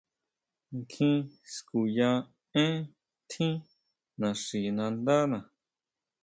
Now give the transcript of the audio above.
Kjín skuya énn tjín naxinándana.